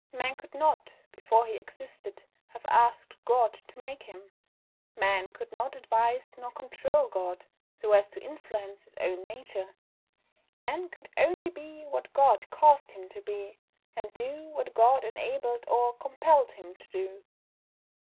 Man could not, before he existed, have asked God to make him. Man could not advise nor control God so as to influence his own nature. Man could only be what God caused him to be, and do what God enabled or compelled him to do.